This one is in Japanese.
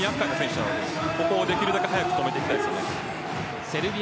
厄介な選手なのでここをできるだけ早く止めていきたいです。